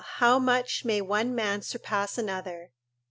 how much may one man surpass another!"